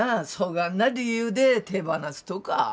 がんな理由で手放すとか？